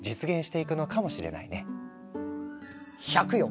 １００よ！